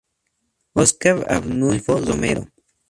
Óscar Arnulfo Romero.